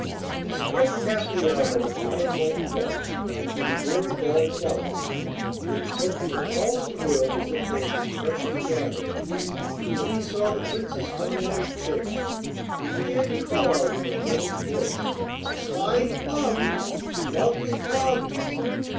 He spread carefully out on a fine white cloth his Mirabelle plums, which looked for all the world as if they had been freshly gathered, and when he saw the Princess coming out of church he began to call out in a feigned voice: 'Fine plums! lovely plums!